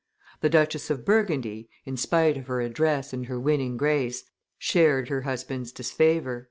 The Duchess of Burgundy, in spite of her address and her winning grace, shared her husband's disfavor."